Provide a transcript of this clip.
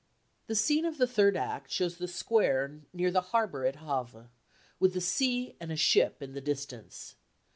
The scene of the third act shows the square near the harbour at Havre, with the sea and a ship in the distance.